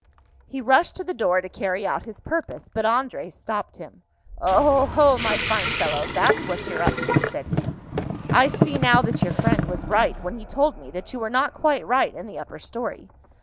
He rushed to the door to carry out his purpose; but André stopped him. "Oho, my fine fellow, that's what you're up to," said he. "I see now that your friend was right when he told me that you were not quite right in the upper story.